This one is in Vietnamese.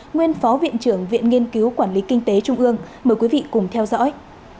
nguyên phó viện trưởng viện nghiên cứu quản lý kinh tế trung ương mời quý vị cùng theo dõi